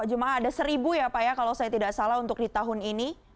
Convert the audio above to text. jemaah ada seribu ya pak ya kalau saya tidak salah untuk di tahun ini